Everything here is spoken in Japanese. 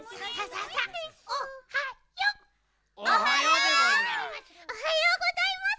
おはよう！おはようございます！